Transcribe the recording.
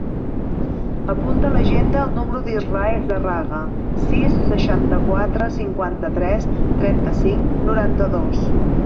Apunta a l'agenda el número de l'Israe Zarraga: sis, seixanta-quatre, cinquanta-tres, trenta-cinc, noranta-dos.